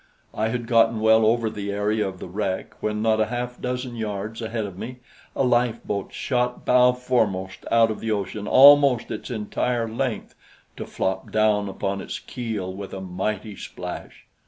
I had gotten well over the area of the wreck when not a half dozen yards ahead of me a lifeboat shot bow foremost out of the ocean almost its entire length to flop down upon its keel with a mighty splash.